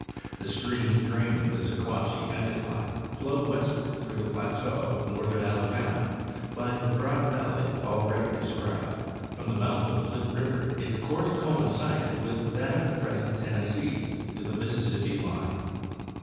The stream draining the Sequatchie anticline flowed westward through the plateau of northern Ala bama by the broad valley already described; from the mouth of Flint river its course coincided with that of the present Ten nessee to the Mississippi ine.